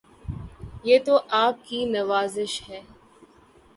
یہ تو آپ کی نوازش ہے